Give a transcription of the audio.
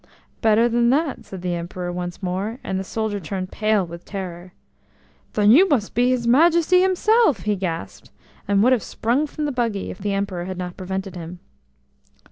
"Better than that!" said the Emperor once more, and the soldier turned pale with terror. HEN you must be his Majesty himself!" he gasped, and would have sprung from the buggy if the Emperor had not prevented him.